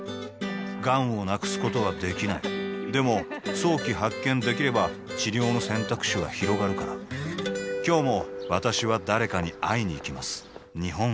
がんを無くすことはできないでも早期発見できれば治療の選択肢はひろがるから今日も私は誰かに会いにいきます